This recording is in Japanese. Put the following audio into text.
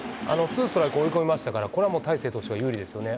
ツーストライク追い込みましたから、ここはもう大勢投手が有利ですよね。